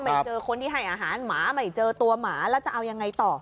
เจอคนที่ให้อาหารหมาไม่เจอตัวหมาแล้วจะเอายังไงต่อ